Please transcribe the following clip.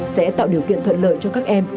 sẽ tạo điều kiện thuận lợi cho các em